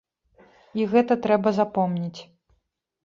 І гэта трэба запомніць.